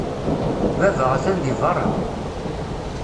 Baba atan deg beṛṛa.